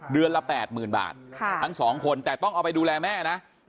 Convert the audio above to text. เดือนละ๘๐๐๐บาททั้ง๒คนแต่ต้องเอาไปดูแลแม่นะ